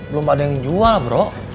belum ada yang jual bro